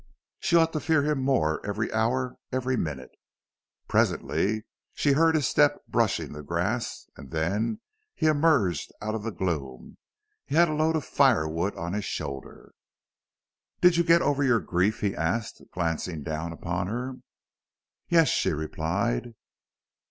She ought to fear him more every hour every minute. Presently she heard his step brushing the grass and then he emerged out of the gloom. He had a load of fire wood on his shoulder. "Did you get over your grief?" he asked, glancing down upon her. "Yes," she replied.